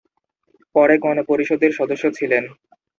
পরে গণপরিষদের সদস্য ছিলেন।